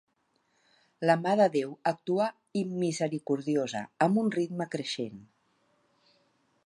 La mà de déu actua immisericordiosa, amb un ritme creixent.